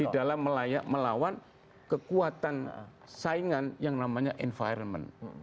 di dalam melawan kekuatan saingan yang namanya environment